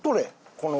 この。